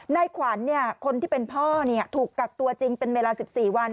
นายขวัญคนที่เป็นพ่อถูกกักตัวจริงเป็นเวลา๑๔วัน